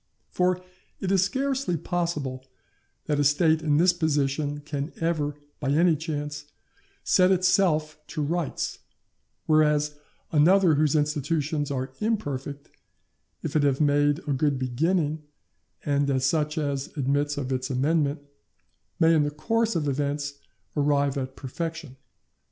For it is scarcely possible that a State in this position can ever, by any chance, set itself to rights, whereas another whose institutions are imperfect, if it have made a good beginning and such as admits of its amendment, may in the course of events arrive at perfection.